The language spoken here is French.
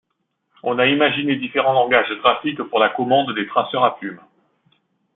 On a imaginé différents langages graphiques pour la commande des traceurs à plume.